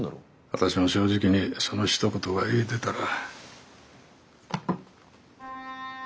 私も正直にそのひと言が言えてたら。